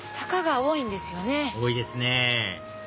多いですね